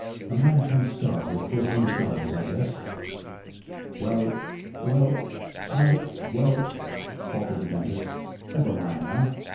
"A man can't starve with four hundred dollars, I guess." "Well well I well " faltered the dentist. "Never mind now.